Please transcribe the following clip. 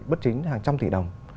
bất chính hàng trăm tỷ đồng